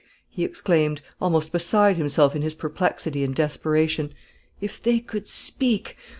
he exclaimed, almost beside himself in his perplexity and desperation; "if they could speak!